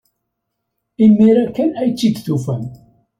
Imir-a kan ay tt-id-tufam.